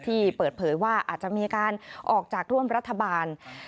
ที่เปิดเผยว่าอาจจะมีการออกจากร่วมรัฐบาล